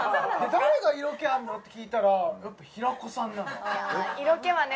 誰が色気あんの？って聞いたらやっぱ平子さんなの色気はね